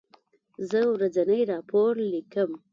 زه ورځنی راپور لیکم.